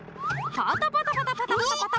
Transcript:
パタパタパタパタパタパタ。